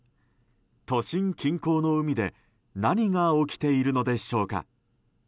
都心近郊の海で何が起きているのでしょうか。